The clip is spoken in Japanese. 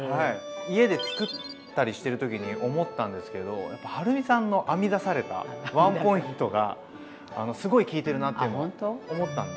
家で作ったりしてる時に思ったんですけどやっぱはるみさんの編み出されたワンポイントがすごい効いてるなっていうのを思ったんで。